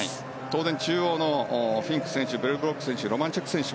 当然中央のフィンク選手ベルブロック選手